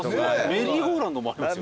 メリーゴーラウンドもありますよ。